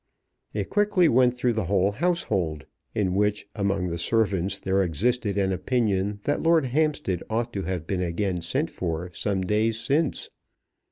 It quickly went through the whole household, in which among the servants there existed an opinion that Lord Hampstead ought to have been again sent for some days since.